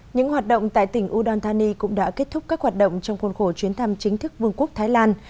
những hoạt động tại tỉnh udon thani cũng đã kết thúc các hoạt động trong khuôn khổ chuyến thăm chính thức vương quốc thái lan